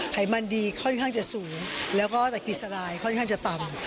ไขมันดีค่อนข้างจะสูงแล้วก็ตะกิสรายค่อนข้างจะต่ำ